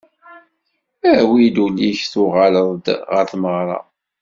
Awi-d ul-ik tuγaleḍ-d γer tmeγra.